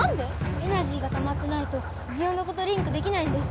エナジーがたまってないとジオノコとリンクできないんです！